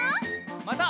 また。